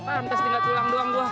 mantes ini enggak tulang doang gua